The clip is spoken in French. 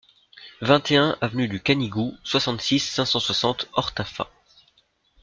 vingt et un avenue du Canigou, soixante-six, cinq cent soixante, Ortaffa